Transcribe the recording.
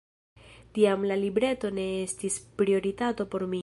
Tiam la libreto ne estis prioritato por mi.